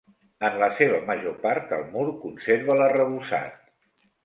En la seva major part el mur conserva l'arrebossat.